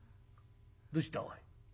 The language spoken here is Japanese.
どうしたおい。